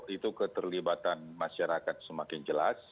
itu keterlibatan masyarakat semakin jelas